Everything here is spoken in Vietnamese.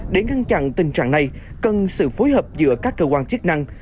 để ngăn chặn tình trạng này cần sự phối hợp giữa các cơ quan chức năng